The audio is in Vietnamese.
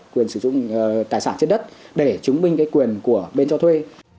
quyền sử dụng tài sản trên đất để chứng minh cái quyền của bên cho thuê